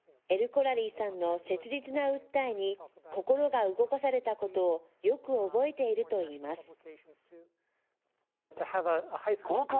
エルコラリーさんの切実な訴えに、心が動かされたことを、よく覚えているといいます。